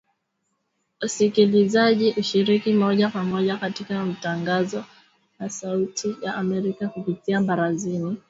Wasikilizaji hushiriki moja kwa moja katika matangazo ya Sauti ya Amerika kupitia Barazani, Swali la Leo, Maswali na Majibu, na Salamu Zenu.